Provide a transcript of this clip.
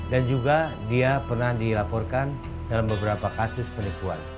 dan juga dia pernah dilaporkan dalam beberapa kasus penipuan